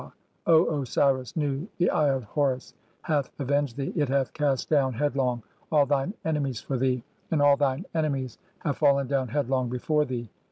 O Osi "ris Nu, the Eye of Horus hath avenged thee, it hath cast down "headlong all thine enemies for thee, and all thine enemies have "fallen down headlong before thee.